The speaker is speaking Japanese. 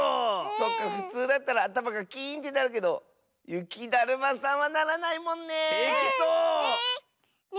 そっかふつうだったらあたまがキーンってなるけどゆきだるまさんはならないもんね！